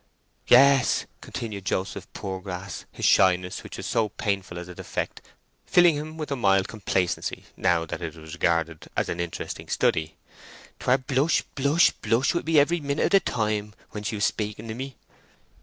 "Yes," continued Joseph Poorgrass—his shyness, which was so painful as a defect, filling him with a mild complacency now that it was regarded as an interesting study. "'Twere blush, blush, blush with me every minute of the time, when she was speaking to me."